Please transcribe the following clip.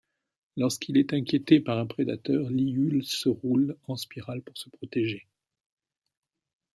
Lorsqu'il est inquiété par un prédateur, l'iule se roule en spirale pour se protéger.